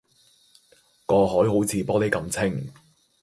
個海好似玻璃噉清